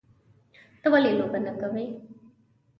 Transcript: _ته ولې لوبه نه کوې؟